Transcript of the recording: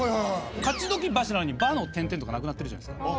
「かちどきばし」なのに「ば」の点々とかなくなってるじゃないですか。